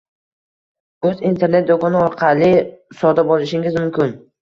uz internet -do'koni orqali sotib olishingiz mumkin